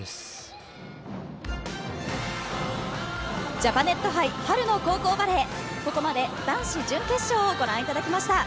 ジャパネット杯春の高校バレーここまで男子準決勝をご覧いただきました。